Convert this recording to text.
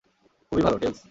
খুবই ভালো, টেলস।